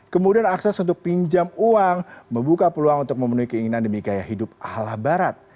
kemudian akses untuk pinjam uang membuka peluang untuk memenuhi keinginan demi gaya hidup ala barat